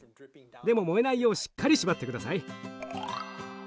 でも燃えないようしっかり縛って下さい。